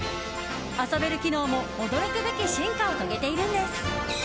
遊べる機能も驚くべき進化を遂げているんです。